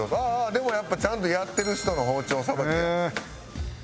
でもやっぱちゃんとやってる人の包丁さばきや。